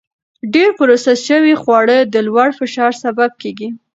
ډېر پروسس شوي خواړه د لوړ فشار سبب کېږي.